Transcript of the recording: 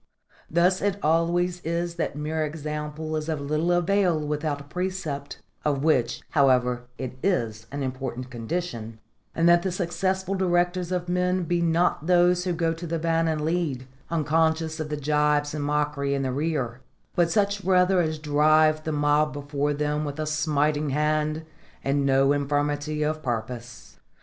Thus it always is that mere example is of little avail without precept, of which, however, it is an important condition, and that the successful directors of men be not those who go to the van and lead, unconscious of the gibes and mockery in their rear, but such rather as drive the mob before them with a smiting hand and no infirmity of purpose.